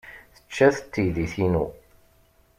Tečča-t teydit-inu.